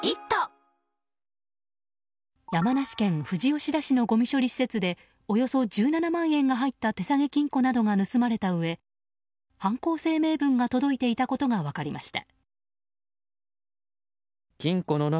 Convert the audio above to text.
山梨県富士吉田市のごみ処理施設でおよそ１７万円が入った手提げ金庫などが盗まれたうえ犯行声明文が届いていたことが分かりました。